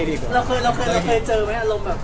เราเคยเจอไหมอารมณ์แบบ